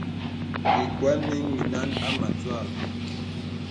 Ìkwàn nīn inə ā mə̀twə̂ vìn.